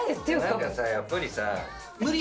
何かさやっぱりさ。